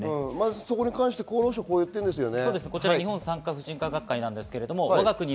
そこに関しては厚労省はこう言っているんですよね。